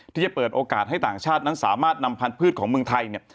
ที่จะเปิดโอกาสให้ต่างชาตินั้นสามารถนำพันธุ์ของเมืองไทยเนี่ย